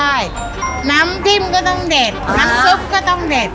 ใช่น้ำจิ้มก็ต้องเด็ดน้ำซุปก็ต้องเด็ด